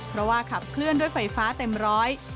เพราะว่าขับเคลื่อนด้วยไฟฟ้าเต็มร้อย